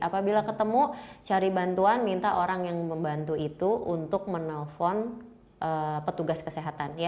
apabila ketemu cari bantuan minta orang yang membantu itu untuk menelpon petugas kesehatan